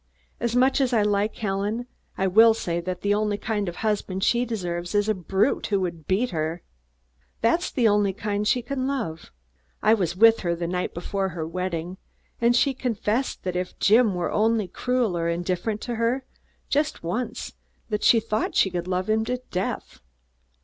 As much as I like Helen, I will say that the only kind of husband she deserves is a brute who would beat her. That's the only kind she can love. I was with her the night before her wedding, and she confessed then that if Jim were only cruel or indifferent to her, just once, she thought she could love him to death.